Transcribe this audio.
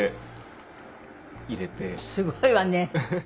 すごいわね。